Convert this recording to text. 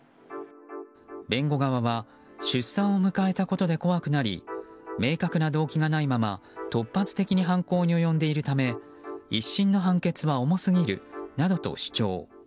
弁護側は出産を迎えたことで怖くなり明確な動機がないまま突発的に犯行に及んでいるため１審の判決は重すぎるなどと主張。